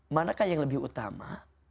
manakah yang lebih utama